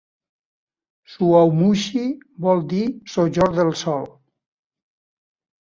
"Suamuxi" vol dir "sojorn del sol".